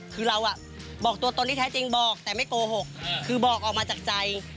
คือเราบอกตัวตนที่แท้จริงบอกแต่ไม่โกหกคือบอกออกมาจากใจ